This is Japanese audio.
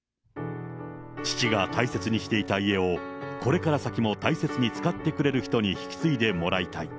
父が大切にしていた家を、これから先も大切に使ってくれる人に引き継いでもらいたい。